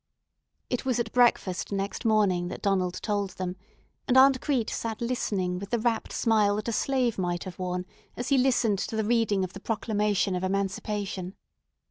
It was at breakfast next morning that Donald told them, and Aunt Crete sat listening with the rapt smile that a slave might have worn as he listened to the reading of the proclamation of emancipation.